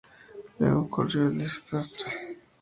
Luego ocurrió el desastre.